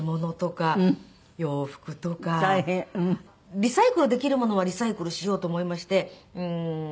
リサイクルできるものはリサイクルしようと思いまして。